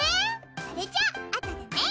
それじゃあとでね！